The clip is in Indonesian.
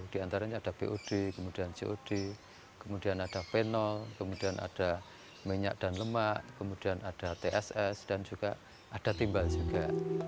di antaranya ada bod kemudian cod kemudian ada pl kemudian ada minyak dan lemak kemudian ada tss dan juga ada timbal juga